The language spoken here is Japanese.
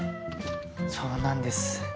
そうなんです。